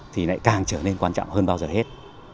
thì lại càng trở nên quan trọng hơn bao giờ hết